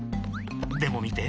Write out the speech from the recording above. でもみて。